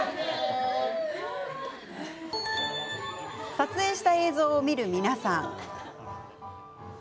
撮影した映像を見る皆さん。